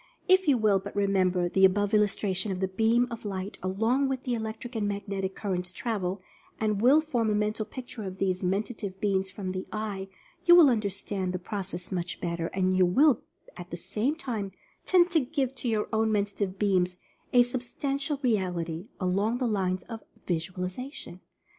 If you will but remember the above illustration of the "beam of light" along which the electric and magnetic currents travel, and will form a Mental Picture of these Men tative Beams from the Eye, you will understand the process much better, and you will at the same time tend to give to your own Mentative beams a substan tial reality, along the lines of Visualization.